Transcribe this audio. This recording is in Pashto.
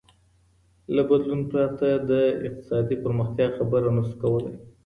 له بدلون پرته د اقتصادي پرمختيا خبره نسو کولاى.